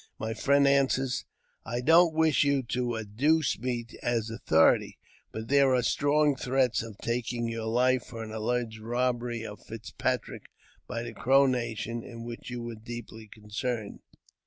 My friend answered, " I don't wish you to adduce me as authority; but there are strong threats of taking your life for an alleged robbery of Fitzpatrick by the Crow nation, in which you were deeply concerned."